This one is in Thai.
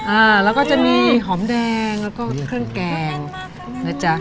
อ่าแล้วก็จะมีหอมแดงแล้วก็เครื่องแกงนะจ๊ะ